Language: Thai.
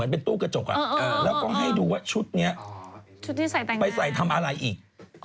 เป็นตู้กระจกแล้วก็ให้ดูว่าชุดนี้ชุดที่ใส่ไปใส่ทำอะไรอีก